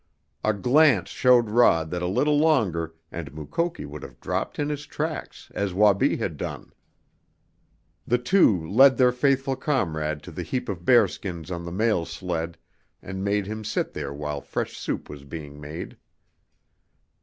A glance showed Rod that a little longer and Mukoki would have dropped in his tracks, as Wabi had done. The two led their faithful comrade to the heap of bearskins on the mail sled and made him sit there while fresh soup was being made.